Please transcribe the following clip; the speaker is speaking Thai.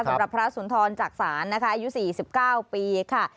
สำหรับพระสุนทรจักษานนะคะอายุ๔๙ปีค่ะ